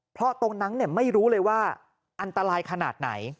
เพราะตรงนั้นไม่รู้เลยว่าอันตรายขนาดไหน